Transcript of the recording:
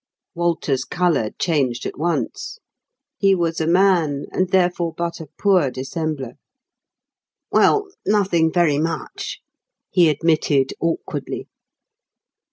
Walter's colour changed at once. He was a man, and therefore but a poor dissembler. "Well, nothing very much," he admitted, awkwardly.